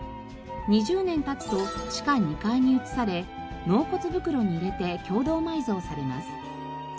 ２０年経つと地下２階に移され納骨袋に入れて共同埋蔵されます。